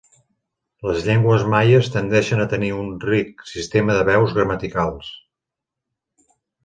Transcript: Les llengües maies tendeixen a tenir un ric sistema de veus gramaticals.